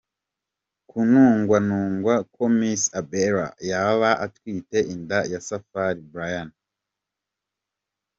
kunugwanugwa ko Miss Abiellah yaba atwite inda ya Safari Bryan.